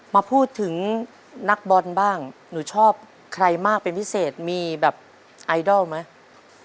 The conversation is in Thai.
มาพูดถึงนักบอลบ้างหนูชอบใครมากเป็นพิเศษมีแบบไอดอลไหม